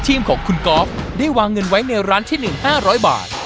ทีมของคุณกอล์ฟได้วางเงินไว้ในร้านที่หนึ่งห้าร้อยบาท